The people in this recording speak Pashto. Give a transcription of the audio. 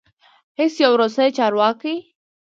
هیڅ یو روسي چارواکی